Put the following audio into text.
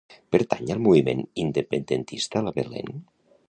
Pertany al moviment independentista la Belén?